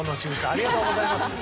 ありがとうございます。